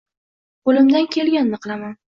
Qo’limdan kelganini qilaman.